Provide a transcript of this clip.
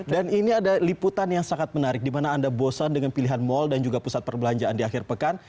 dan ini ada liputan yang sangat menarik dimana anda bosan dengan pilihan mal dan juga pusat perbelanjaan di akhir pekan